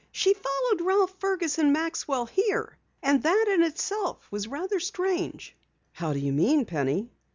"She followed Ralph Fergus and Maxwell here. And that in itself was rather strange." "How do you mean, Penny?"